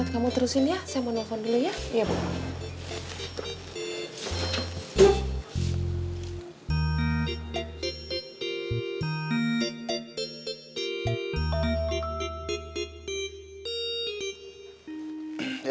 hai kamu terusin ya saya mau nelfon dulu ya iya